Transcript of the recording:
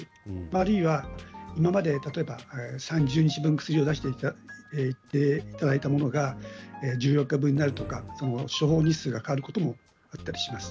あるいは今まで例えば３０日分薬を出していただいていたものが１４日分になるとか、処方日数が変わることもあったりします。